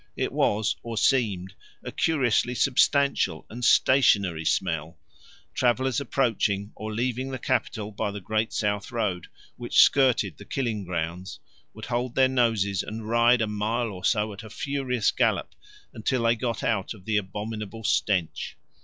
It was, or seemed, a curiously substantial and stationary smell; travellers approaching or leaving the capital by the great south road, which skirted the killing grounds, would hold their noses and ride a mile or so at a furious gallop until they got out of the abominable stench.